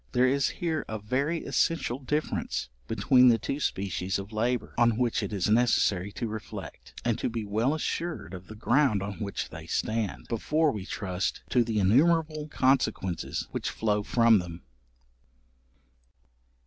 There is here a very essential difference between these two species of labour, on which it is necessary to reflect, and to be well assured of the ground on which they stand, before we trust to the innumerable consequences which flow from them.